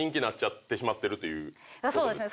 そうですね。